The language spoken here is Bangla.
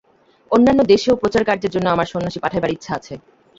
অন্যান্য দেশেও প্রচারকার্যের জন্য আমার সন্ন্যাসী পাঠাইবার ইচ্ছা আছে।